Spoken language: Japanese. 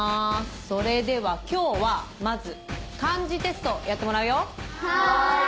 それでは今日はまず漢字テストやってもらうよ。